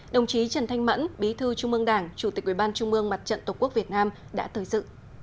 đồng chí trần thanh mẫn bí thư trung mương đảng chủ tịch ubnd tổ quốc việt nam đã tới dự